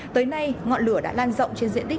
tới nay ngọn lửa đã lan rộng trên diện tích